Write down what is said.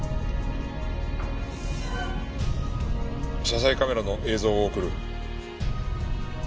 車載カメラの映像を送る。